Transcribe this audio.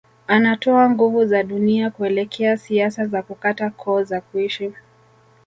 Anatoa nguvu za dunia kuelekea siasa za kukata koo za kuishi